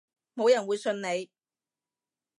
冇人會信你